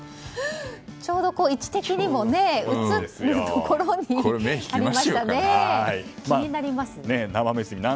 ちょうど位置的にも映るところにありましたね。